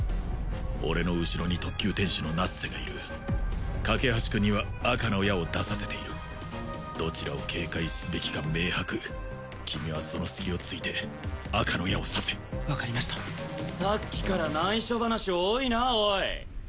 俺の後ろに特級天使のナッセがいる架橋君には赤の矢を出させているどちらを警戒すべきか明白君はその隙をついて赤の矢を刺せ分かりましたさっきから内緒話多いなおい